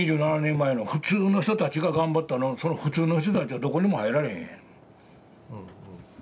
２７年前の普通の人たちが頑張ったのその普通の人たちはどこにも入られへんやん。